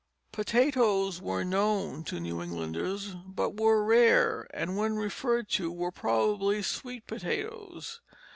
Potatoes were known to New Englanders, but were rare and when referred to were probably sweet potatoes.